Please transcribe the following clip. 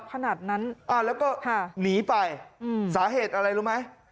ขนาดนั้นแล้วก็หนีไปสาเหตุอะไรรู้ไหม